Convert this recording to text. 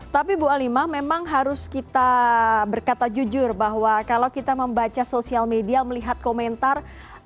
tapi bu alima memang harus kita berkata jujur bahwa kalau kita membaca sosial media melihat komentar